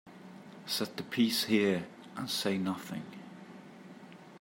Set the piece here and say nothing.